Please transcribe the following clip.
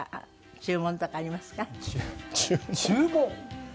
注文。